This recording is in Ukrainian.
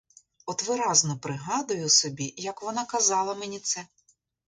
От виразно пригадую собі, як вона казала мені це.